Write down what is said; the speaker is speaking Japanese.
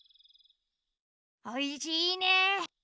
おいしいね。